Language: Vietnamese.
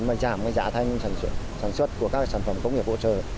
chúng tôi sẽ giảm giả thanh sản xuất của các sản phẩm công nghiệp hỗ trợ